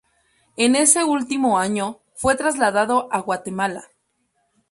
En ese último año, fue trasladado a Guatemala.